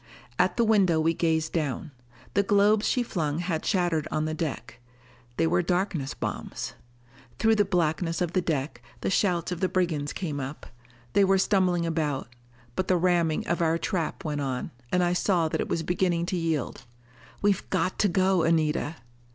At the window we gazed down. The globes she flung had shattered on the deck. They were darkness bombs. Through the blackness of the deck, the shouts of the brigands came up. They were stumbling about. But the ramming of our trap went on, and I saw that it was beginning to yield. "We've got to go, Anita!"